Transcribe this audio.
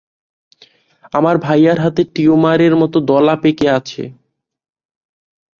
আমার ভাইয়ার হাতে টিউমারের মত দলা পেকে আছে।